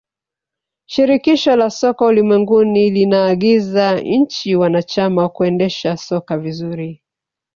shirikisho la soka ulimwenguni linaagiza nchi wanachama kuendesha soka vizuri